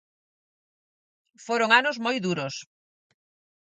Foron anos moi duros.